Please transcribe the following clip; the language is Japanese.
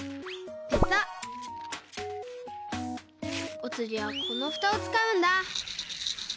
おつぎはこのふたをつかうんだ！